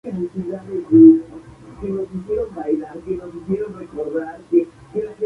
Descendiente de vascos.